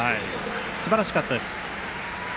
すばらしかったです。